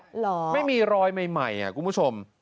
เหรอไม่มีรอยใหม่คุณผู้ชม